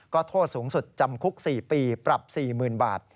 ก็โทษสูงสุดจำคุก๔ปีปรับ๔๐๐๐บาท